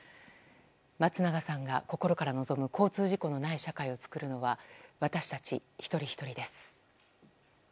松永さんが心から望む交通事故のない社会を作るのは私たち、一人ひとりです。